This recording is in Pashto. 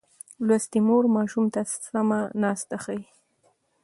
لوستې مور ماشوم ته سمه ناسته ښيي.